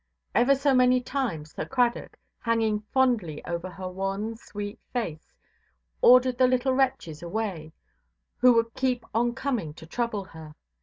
Ever so many times Sir Cradock, hanging fondly over her wan, sweet face, ordered the little wretches away, who would keep on coming to trouble her.